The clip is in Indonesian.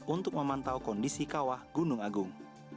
untuk memantau kondisi kawah gunung agung